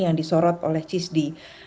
yang disorot oleh cisdi